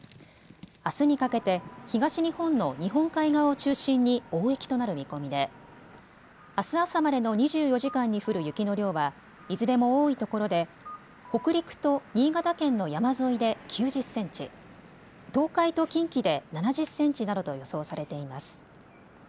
あすにかけて東日本の日本海側を中心に大雪となる見込みであす朝までの２４時間に降る雪の量はいずれも多いところで北陸と新潟県の山沿いで９０センチ、東海と近畿で７０センチなどと予想されています。